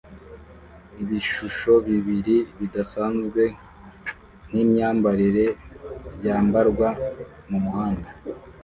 Ibishusho bibiri bidasanzwe nkimyambarire byambarwa mumuhanda